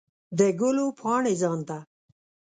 د ګلو پاڼې ځان ته